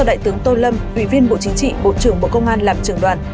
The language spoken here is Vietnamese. đại tướng tô lâm ủy viên bộ chính trị bộ trưởng bộ công an làm trường đoàn